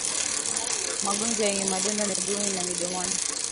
Magonjwa yenye madonda miguuni na midomoni